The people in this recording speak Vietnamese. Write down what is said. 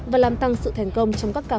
và làm tăng sự thành công trong các bệnh nhân